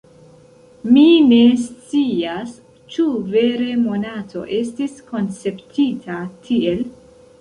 Mi ne scias, ĉu vere Monato estis konceptita tiel.